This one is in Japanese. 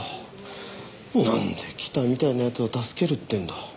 なんで北みたいな奴を助けるっていうんだ。